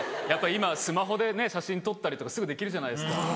やっぱ今スマホでね写真撮ったりとかすぐできるじゃないですか。